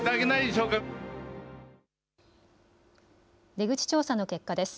出口調査の結果です。